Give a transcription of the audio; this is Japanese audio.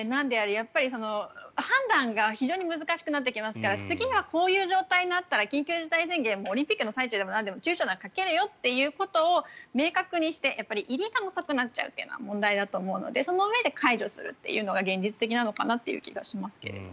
やっぱり、判断が非常に難しくなってきますから次はこういう状態になったら緊急事態宣言オリンピックの最中でもなんでも躊躇なくかけるよということを明確にして入りが模索になっちゃうというのが問題だと思うのでそのうえで解除するのが現実的なのかなという気がしますけど。